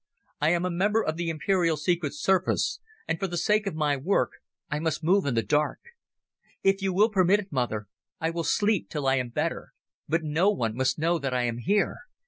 "I am a member of the Imperial Secret Service and for the sake of my work I must move in the dark. If you will permit it, mother, I will sleep till I am better, but no one must know that I am here.